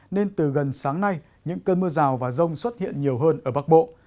nên từ gần sáng nay những cơn mưa rào và rông xuất hiện nhiều hơn ở bắc bộ